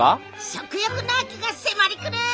食欲の秋が迫りくる！